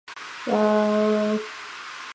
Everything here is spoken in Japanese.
わあーーーーーーーーーー